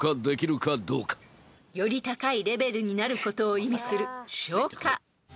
［より高いレベルになることを意味する昇華］